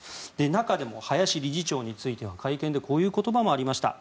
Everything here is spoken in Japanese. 中でも林理事長については会見でこういう言葉もありました。